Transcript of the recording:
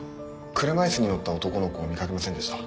車いすに乗った男の子を見掛けませんでした？